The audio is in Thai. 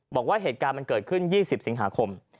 บอกว่าเหตุการณ์มันเกิดขึ้น๒๐สิงหาคม